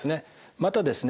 またですね